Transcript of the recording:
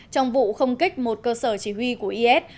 trong vụ không kích một cơ sở chỉ huy của is